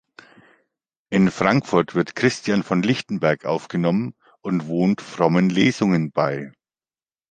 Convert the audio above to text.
In Frankfurt wird Christian von Lichtenberg aufgenommen und wohnt frommen Lesungen bei.